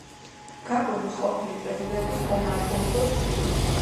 გაბონის ყოფილი პრეზიდენტის ომარ ბონგოს შვილი.